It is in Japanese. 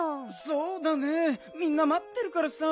そうだねみんなまってるからさ。